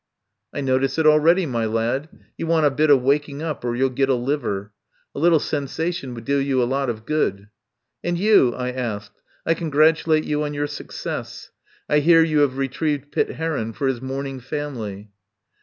"I notice it already, my lad. You want a bit of waking up or you'll get a liver. A little sensation would do you a lot of good." "And you?" I asked. "I congratulate you on your success. I hear you have retrieved Pitt Heron for his mourning family."